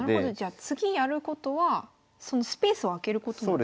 次やることはそのスペースを開けることなんですね。